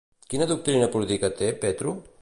Quina doctrina política té Petro?